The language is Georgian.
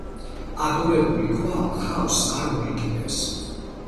აგორებული ქვა ხავსს არ მოიკიდებს.